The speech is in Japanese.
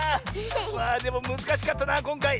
まあでもむずかしかったなこんかい。